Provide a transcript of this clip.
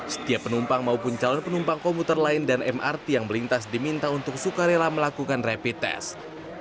setiap penumpang maupun calon penumpang komuter lain dan mrt yang melintas diminta untuk sukarela melakukan rapid test